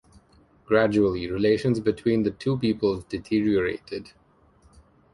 Gradually relations between the two peoples deteriorated.